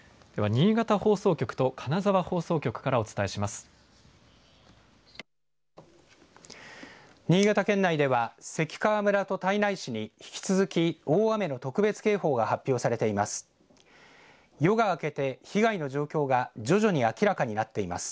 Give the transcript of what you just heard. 新潟県内では関川村と胎内市に引き続き大雨の特別警報が発表されています。